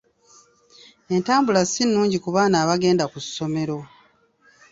Entambula si nnungi ku baana abagenda ku ssomero.